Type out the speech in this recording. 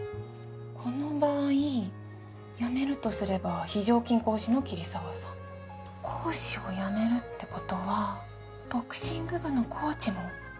この場合辞めるとすれば非常勤講師の桐沢さん。講師を辞めるって事はボクシング部のコーチも。